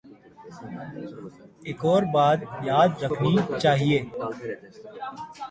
ایک اور بات یاد رکھنی چاہیے۔